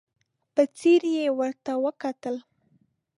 په ځير يې ورته وکتل.